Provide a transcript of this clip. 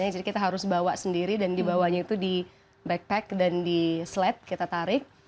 jadi kita harus bawa sendiri dan dibawanya itu di backpack dan di sled kita tarik